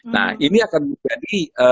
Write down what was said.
nah ini akan jadi